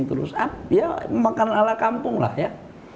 terus ah ya makan ala kampung lah ya